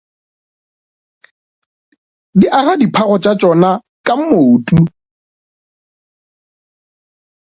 Di aga diphago tša tšona ka motu.